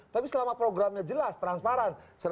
tapi selama programnya jelas transparan